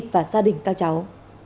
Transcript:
và gia đình cao cháu